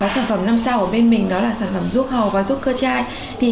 sản phẩm năm sao của bên mình đó là sản phẩm ruốc hầu và ruốc cơ chai